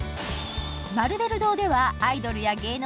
マルベル堂ではアイドルや芸能人だけでなく